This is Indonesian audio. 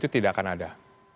tidak akan ada